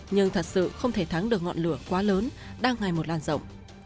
nhưng thật sự không thể thắng được ngọn lửa quá lớn đang ngay một làn rộng